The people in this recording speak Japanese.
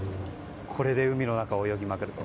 これで海の中を泳ぎまくると。